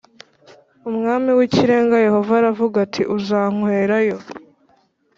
Umwami w Ikirenga Yehova aravuga ati uzanywerayo